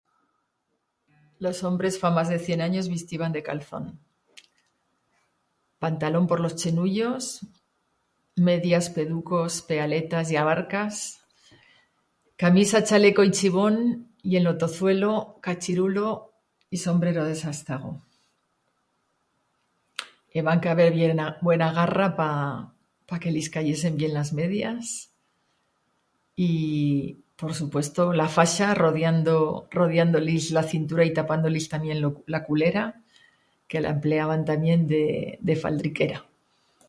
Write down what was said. Los hombres fa mas de cient anyos vistiban de calzón. Pantalón por los chenullos, medias, peducos, pealetas y abarcas; camisa, chaleco y chibón; y en lo tozuelo, cachirulo y sombrero de Sástago. Heba que haber bien a... buena garra pa pa que lis cayesen bien las medias y, por supuesto la faixa, rodiando rodiando-lis la cintura y tapando-lis tamién lo la culera, que la empleaban tamién de de faldriquera.